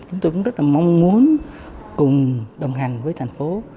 chúng tôi cũng rất là mong muốn cùng đồng hành với thành phố